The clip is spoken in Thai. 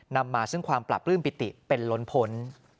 นำมาซึ่งความปราบปลื้มปิติเป็นล้นพ้น